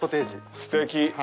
すてき。